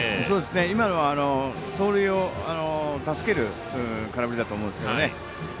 今のは、盗塁を助ける空振りだと思うんですけどね。